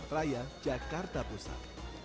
raya jakarta pusat